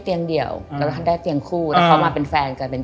คนเดียวก็มาเป็นแฟนกัน